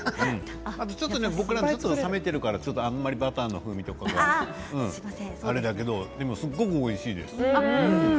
あとちょっと僕ら冷めているからあんまりバターの風味とかがあれだけどけど、でもすごくおいしいです。